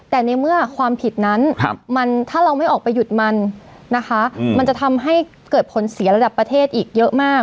แต่ในเมื่อความผิดนั้นถ้าเราไม่ออกไปหยุดมันนะคะมันจะทำให้เกิดผลเสียระดับประเทศอีกเยอะมาก